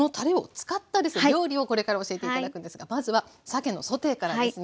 料理をこれから教えて頂くんですがまずはさけのソテーからですね。